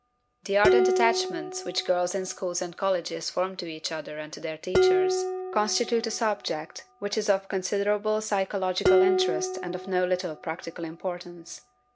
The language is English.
The ardent attachments which girls in schools and colleges form to each other and to their teachers constitute a subject which is of considerable psychological interest and of no little practical importance.